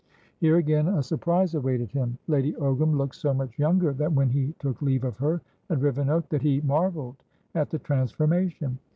Here again a surprise awaited him; Lady Ogram looked so much younger than when he took leave of her at Rivenoak, that he marvelled at the transformation.